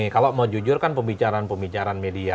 kalau mau jujur kan pembicaraan pembicaraan media